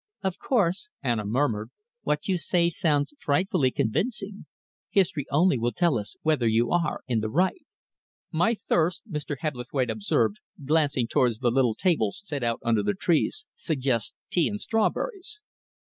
"Of course," Anna murmured, "what you say sounds frightfully convincing. History only will tell us whether you are in the right." "My thirst," Mr. Hebblethwaite observed, glancing towards the little tables set out under the trees, "suggests tea and strawberries."